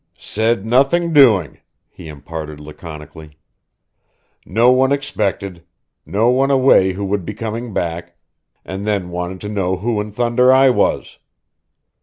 "Said nothing doing," he imparted laconically. "No one expected no one away who would be coming back and then wanted to know who in thunder I was.